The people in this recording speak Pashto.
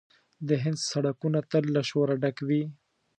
د هند سړکونه تل له شوره ډک وي.